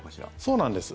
そうなんです。